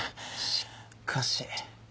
しっかし。